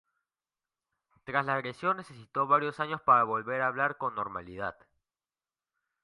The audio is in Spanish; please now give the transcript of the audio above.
Tras la agresión necesitó varios años para volver a hablar con normalidad.